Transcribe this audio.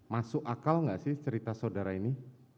masuk akal nggak sih cerita saudara ini